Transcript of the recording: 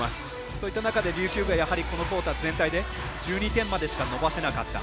そういった中で、琉球がこのクオーター全体で１２点までしか伸ばせなかった。